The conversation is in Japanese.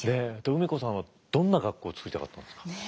梅子さんはどんな学校を作りたかったんですか？